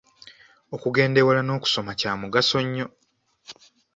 Okugenda ewala n’okusoma kya mugaso nnyo.